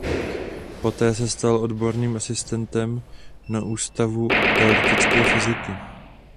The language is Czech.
Poté se stal odborným asistentem na ústavu teoretické fyziky.